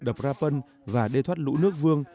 đập ra bân và đê thoát lũ nước vương